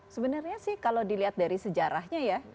sebenarnya sih kalau dilihat dari sejarahnya ya